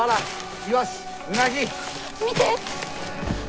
見て！